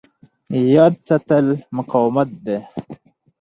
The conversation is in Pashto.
یاد ساتل مقاومت دی.